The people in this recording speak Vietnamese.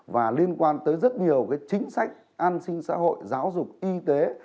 và liên quan tới rất nhiều cái chính sách an sinh xã hội giáo dục y tế